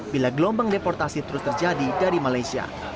bila gelombang deportasi terus terjadi dari malaysia